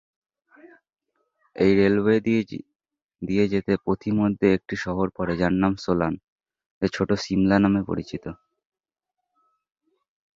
এই রেলওয়ে দিয়ে যেতে পথিমধ্যে একটি শহর পড়ে যার নাম সোলান, যা ছোট সিমলা নামে পরিচিত।